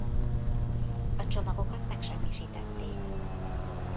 A csomagokat megsemmisítették.